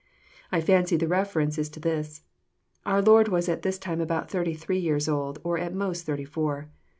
I fancy the reference is to this.^Our Lord was at this time about thirty three years old, or at most thirty four.